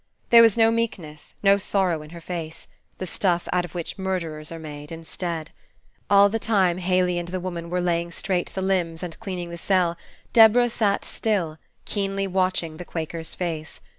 There was no meekness, no sorrow, in her face; the stuff out of which murderers are made, instead. All the time Haley and the woman were laying straight the limbs and cleaning the cell, Deborah sat still, keenly watching the Quaker's face.